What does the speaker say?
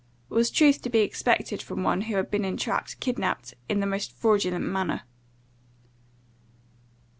Was truth to be expected from one who had been entrapped, kidnapped, in the most fraudulent manner?"